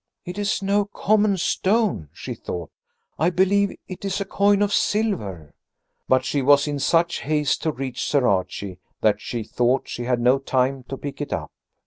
"It is no common stone," she thought. "I believe it is a coin of silver." But she was in such haste to reach Sir Archie that she thought she had no time to pick it up.